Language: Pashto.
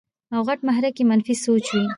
او غټ محرک ئې منفي سوچ وي -